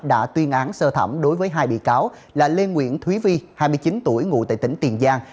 đã tuyên án sơ thẩm đối với hai bị cáo là lê nguyễn thúy vi hai mươi chín tuổi ngụ tại tỉnh tiền giang